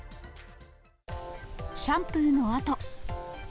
シャンプーのあと。